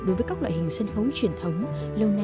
đối với các loại hình sân khấu truyền thống